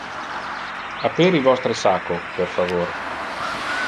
Aperi vostre sacco, per favor.